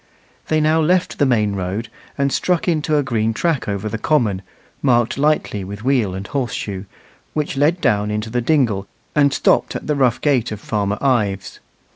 They now left the main road and struck into a green track over the common marked lightly with wheel and horse shoe, which led down into the dingle and stopped at the rough gate of Farmer Ives.